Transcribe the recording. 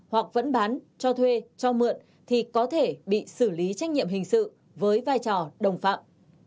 hoặc vẫn bán cho thuê cho mượn thì có thể bị xử lý trách nhiệm hình sự với vai trò đồng phạm